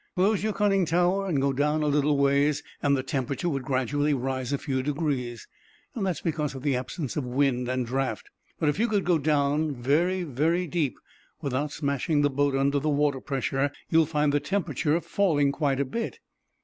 "Close your conning tower and go down a little way, and the temperature would gradually rise a few degrees. That's because of the absence of wind and draft. But, if you could go down very, very deep without smashing the boat under the water pressure, you'd find the temperature falling quite a bit."